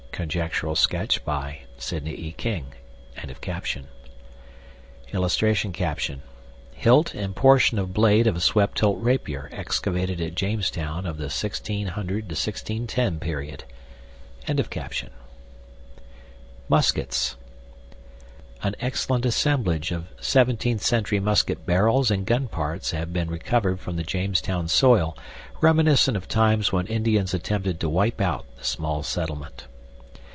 (Conjectural sketch by Sidney E. King.)] [Illustration: HILT AND PORTION OF BLADE OF A SWEPT HILT RAPIER EXCAVATED AT JAMESTOWN OF THE 1600 1610 PERIOD.] MUSKETS An excellent assemblage of 17th century musket barrels and gun parts have been recovered from the Jamestown soil, reminiscent of times when Indians attempted to wipe out the small settlement.